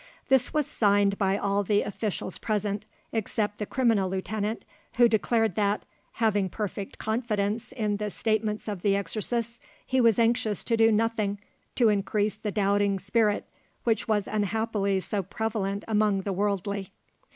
This was signed by all the officials present, except the criminal lieutenant, who declared that, having perfect confidence in the statements of the exorcists, he was anxious to do nothing to increase the doubting spirit which was unhappily so prevalent among the worldly.